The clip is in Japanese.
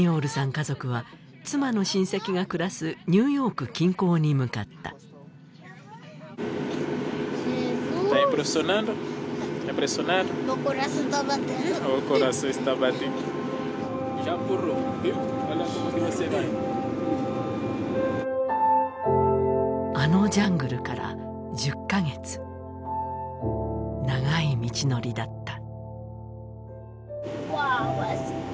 家族は妻の親戚が暮らすニューヨーク近郊に向かったあのジャングルから１０ヶ月長い道のりだった